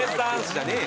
じゃねえよ！